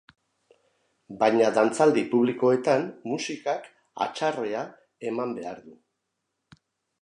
Baina dantzaldi publikoetan, musikak hatsarrea eman behar du.